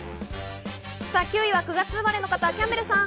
９位は９月生まれの方、キャンベルさん。